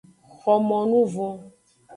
Xomonuvon.